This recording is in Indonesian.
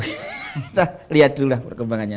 kita lihat dulu perkembangannya